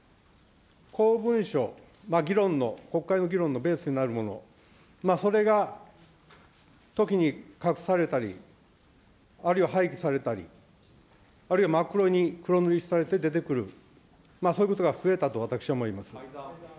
公文書、議論の、国会の議論のベースになるもの、それが時に隠されたり、あるいは廃棄されたり、あるいは真っ黒に黒塗りされて出てくる、そういうことが増えたと私は思います。